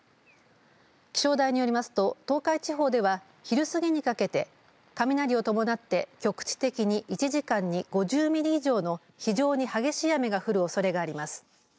気象台によりますと東海地方では昼すぎにかけて雷を伴って局地的に１時間に５０ミリ以上の非常に激しい雨が降るおそれがあります。